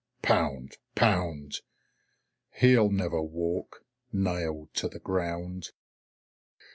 Pound! Pound! "He'll never walk. Nailed to the ground."